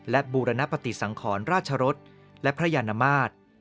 และบูรณปฏิสังขรราชรสและพระยานมาตร